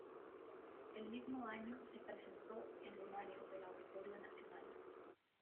El mismo año se presentó en el Lunario del Auditorio Nacional.